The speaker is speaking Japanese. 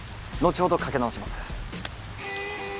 後ほどかけ直します。